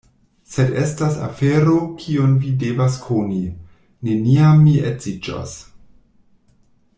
Sed estas afero, kiun vi devas koni: neniam mi edziĝos.